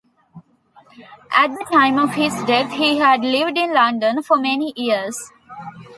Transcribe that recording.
At the time of his death he had lived in London for many years.